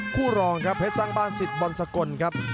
คู่รองครับเพชรสร้างบ้านสิทธิ์บอลสกลครับ